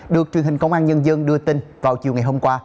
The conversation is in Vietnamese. được truyền hình công an nhân dân đưa tin vào chiều ngày hôm qua